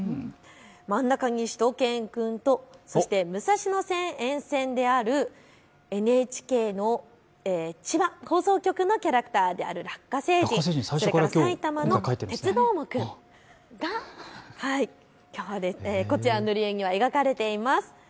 真ん中にしゅと犬くんとそして武蔵野線沿線であるＮＨＫの千葉放送局のキャラクターであるラッカ星人、それからさいたまの鉄どーもくん、こちらの塗り絵には描かれています。